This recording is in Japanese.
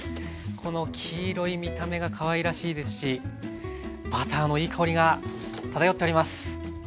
この黄色い見た目がかわいらしいですしバターのいい香りが漂っております。